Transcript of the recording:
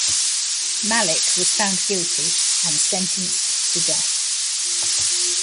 Malik was found guilty and sentenced to death.